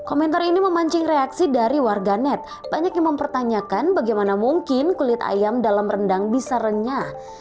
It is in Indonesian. komentar ini memancing reaksi dari warganet banyak yang mempertanyakan bagaimana mungkin kulit ayam dalam rendang bisa renyah